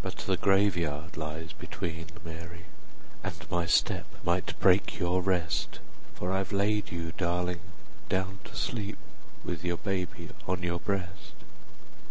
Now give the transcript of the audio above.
20 But the graveyard lies between, Mary, And my step might break your rest— For I've laid you, darling! down to sleep, With your baby on your breast.